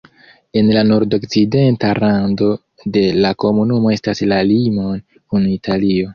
En la nordokcidenta rando de la komunumo estas la limon kun Italio.